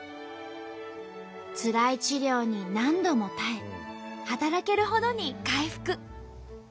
つらい治療に何度も耐え働けるほどに回復。